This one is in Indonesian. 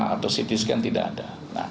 atau ct scan tidak ada